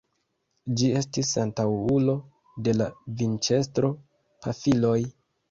Ĝi estis antaŭulo de la vinĉestro-pafiloj.